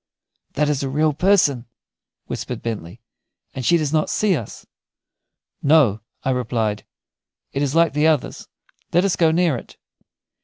"That is a real person," whispered Bentley, "and she does not see us." "No," I replied; "it is like the others. Let us go near it."